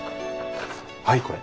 はいこれ。